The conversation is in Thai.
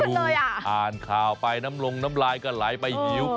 เราก็นั่งดูอ่านข่าวไปน้ำลงน้ำลายกะไหลไปหิว